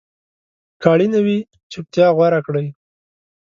که اړینه وي، چپتیا غوره کړئ.